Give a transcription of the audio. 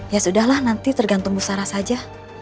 ya sudah lah nanti tergantung bu sarah saja